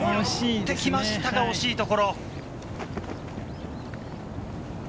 よってきましたが惜しいところ。